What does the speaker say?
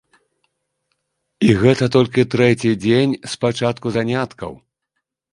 І гэта толькі трэці дзень з пачатку заняткаў.